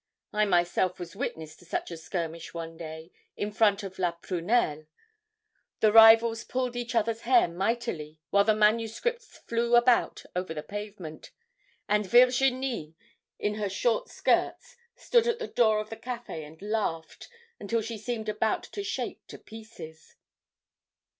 I myself was witness to such a skirmish one day, in front of 'La Prunelle.' The rivals pulled each other's hair mightily while the manuscripts flew about over the pavement, and Virginie, in her short skirts, stood at the door of the cafe and laughed until she seemed about to shake to pieces.